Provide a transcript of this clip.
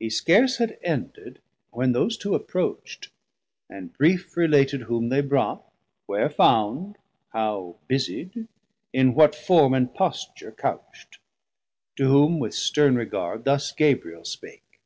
He scarce had ended, when those two approachd And brief related whom they brought, wher found, How busied, in what form and posture coucht. To whom with stern regard thus Gabriel spake.